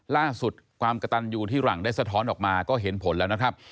ความกระตันอยู่ที่หลังได้สะท้อนออกมาก็เห็นผลแล้วนะครับ